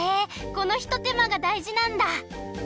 このひとてまがだいじなんだ！